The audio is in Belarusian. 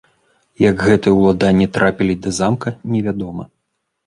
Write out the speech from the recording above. Як гэтыя ўладанні трапілі да замка, не вядома.